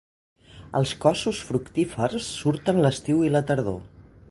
Els cossos fructífers surten l'estiu i la tardor.